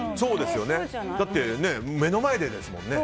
だって、目の前でですもんね。